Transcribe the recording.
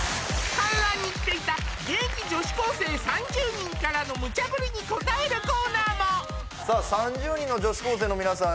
観覧に来ていた現役女子高生３０人からのムチャ振りに応えるコーナーも３０人の女子高生の皆さん